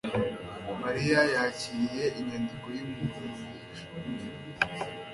Mariya yakiriye inyandiko yumuntu wihishe.